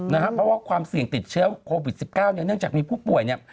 เพราะว่าความเสี่ยงติดเชื้อโควิด๑๙เนี่ยเนื่องจากมีผู้ป่วยเนี่ย